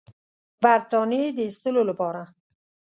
برټانیې د ایستلو لپاره.